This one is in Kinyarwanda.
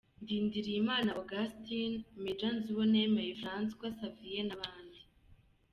Ndindiriyimana Augustin, Major Nzuwonemeye François Xavier n’abandi.